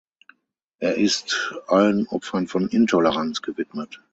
Er ist „allen Opfern von Intoleranz“ gewidmet.